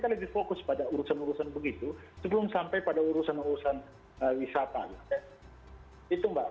saya lebih fokus pada urusan urusan begitu sebelum sampai pada urusan urusan wisata itu mbak